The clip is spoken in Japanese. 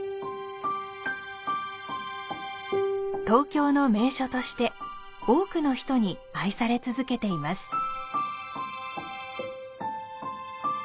東京の名所として多くの人に愛され続けています。